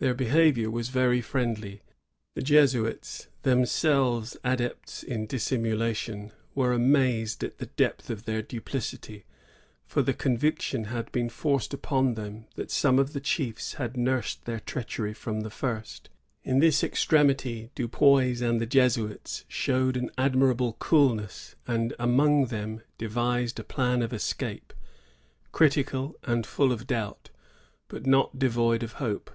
Their behavior was very friendly. The Jesuits, themselves adepts in dissimulation, were amazed at the depth of their duplicity ; for the 90 THE JESUITS AT ONONDAGA. [l«5a. canviction had been forced npon them Ihat some of the chiefs had noned their treachery firom the first. In this extremity Da Pays and the Jesuits showed an admirable cookiess, and among Ihem demised a plan of escape, critical and full of doubt, bat not devoid of hope.